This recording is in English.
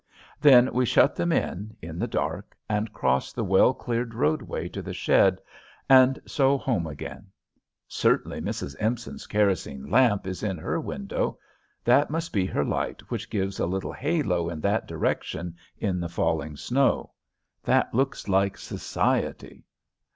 Then we shut them in, in the dark, and cross the well cleared roadway to the shed, and so home again. Certainly Mrs. Empson's kerosene lamp is in her window. That must be her light which gives a little halo in that direction in the falling snow. That looks like society.